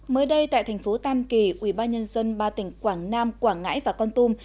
mới đây tại thành phố tam kỳ ubnd ba tỉnh quảng nam quảng ngãi và con tum